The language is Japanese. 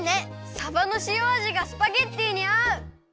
さばのしおあじがスパゲッティにあう！